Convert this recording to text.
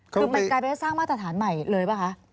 คือมันกลายเป็นว่าสร้างมาตรฐานใหม่เลยป่ะคะ